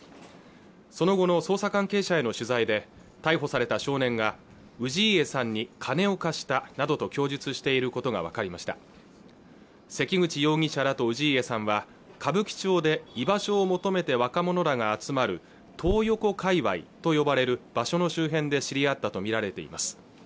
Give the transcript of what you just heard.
その後の捜査関係者への取材で逮捕された少年が氏家さんに金を貸したなどと供述していることが分かりました関口容疑者らと氏家さんは歌舞伎町で居場所を求めて若者らが集まるトー横界隈と呼ばれる場所の周辺で知り合ったと見られています